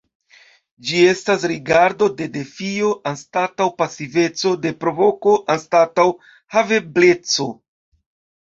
Ĝi estas rigardo de defio anstataŭ pasiveco, de provoko anstataŭ havebleco.